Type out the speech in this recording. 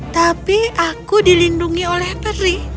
tapi aku dilindungi oleh peri